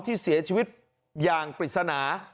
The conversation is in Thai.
ที่เสียชีวิตอย่างปริศนา